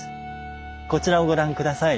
こちらをご覧下さい。